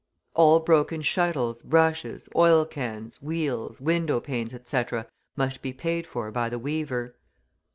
All broken shuttles, brushes, oil cans, wheels, window panes, etc., must be paid for by the weaver.